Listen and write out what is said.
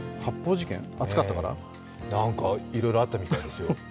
なんかいろいろあったみたいですよ。